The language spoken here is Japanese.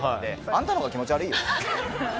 あなたのほうが気持ち悪いよ。